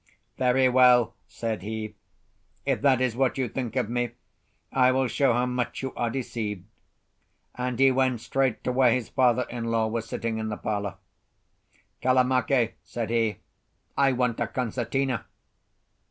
"Very well," said he, "if that is what you think of me, I will show how much you are deceived." And he went straight to where his father in law was sitting in the parlour. "Kalamake," said he, "I want a concertina."